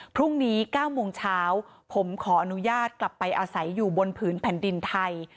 พรุ่งนี้๙โมงเช้าผมขออนุญาตกลับไปอาศัยอยู่บนผืนแผ่นดินไทย